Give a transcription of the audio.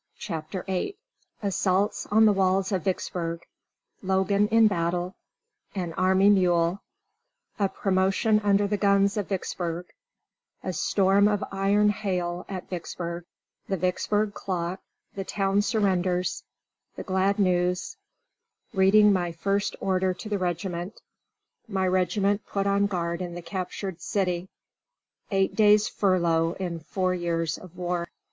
CHAPTER VIII Assaults on the walls of Vicksburg Logan in battle An army mule A promotion under the guns of Vicksburg A storm of iron hail at Vicksburg The Vicksburg clock The town surrenders The glad news Reading my first order to the regiment My regiment put on guard in the captured city Eight days' furlough in four years of war.